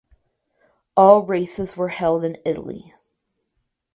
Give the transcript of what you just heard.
All races were held in Italy.